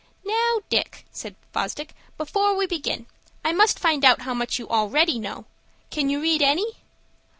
"Now, Dick," said Fosdick, "before we begin, I must find out how much you already know. Can you read any?"